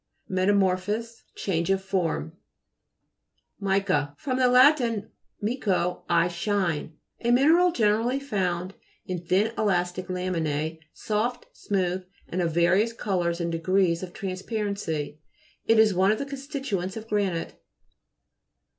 METAMORPHOSIS Change of form. MI'CA fr. lat. mico, I shine. A mineral generally found in thin elastic laminae, soft, smooth and of various colours and degrees of transparency. It is one of the con stituents of granite.